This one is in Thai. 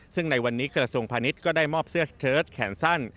ซึ่งในวันนี้กระทรวงพาณิชย์ก็ได้มอบเสื้อเชิดแขนสั้น